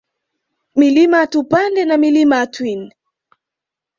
Milima ya Tupande na Milima ya Twin